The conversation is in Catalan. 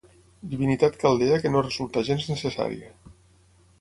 Divinitat caldea que no resulta gens necessària.